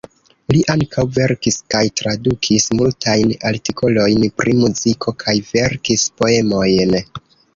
Li ankaŭ verkis kaj tradukis multajn artikolojn pri muziko kaj verkis poemojn.